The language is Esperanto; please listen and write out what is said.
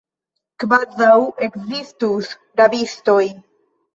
Kvazaŭ ekzistus rabistoj!